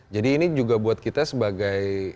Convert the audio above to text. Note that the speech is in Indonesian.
jadi ini juga buat kita sebagai